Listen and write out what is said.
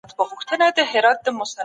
محصلینو په پوهنتونونو کي درس لوست.